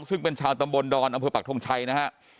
ซึ่งเป็นชาวตำบลดอนอำเภอปักทงชัยนะฮะ